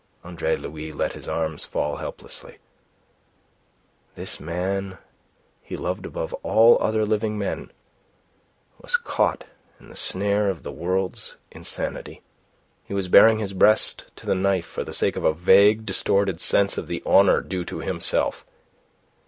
Andre Louis let his arms fall helplessly. This man he loved above all other living men was caught in the snare of the world's insanity. He was baring his breast to the knife for the sake of a vague, distorted sense of the honour due to himself.